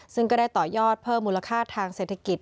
ซึ่งก็ได้ต่อยอดเพิ่มมูลค่าทางเศรษฐกิจ